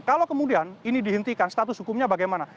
kalau kemudian ini dihentikan status hukumnya bagaimana